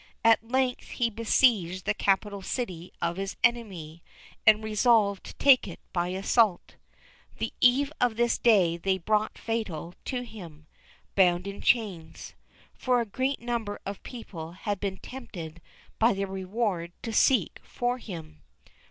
At length he besieged the capital city of his enemy, and resolved to take it by assault. The eve of this day they brought Fatal to him, bound in chains, for a great number of people had been tempted by the reward to seek for him.